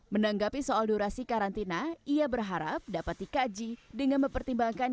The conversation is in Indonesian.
menanggapi soal durasi karantina ia berharap dapat dikaji dengan mempertimbangkan